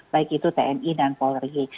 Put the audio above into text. baik itu tni dan polri